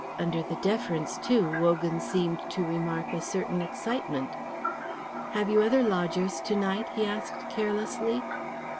Under the deference, too, Wogan seemed to remark a certain excitement. "Have you other lodgers to night?" he asked carelessly.